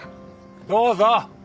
どうぞ。